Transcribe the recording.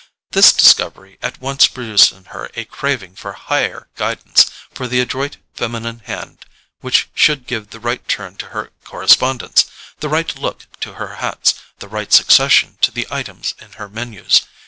This discovery at once produced in her a craving for higher guidance, for the adroit feminine hand which should give the right turn to her correspondence, the right "look" to her hats, the right succession to the items of her MENUS.